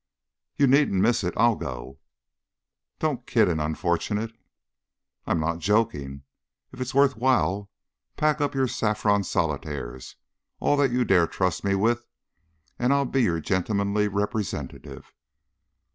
"You needn't miss it. I'll go." "Don't kid an unfortunate " "I'm not joking. If it's worth while, pack up your saffron solitaires all that you dare trust me with and I'll be your gentlemanly representative."